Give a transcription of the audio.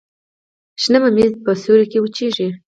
شنه ممیز په سیوري کې وچیږي.